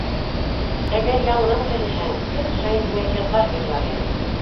Әгәр яңынан терелһәң, көн һайын һиңә йырҙар йырлар инем.